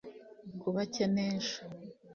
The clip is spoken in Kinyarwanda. kubakenesha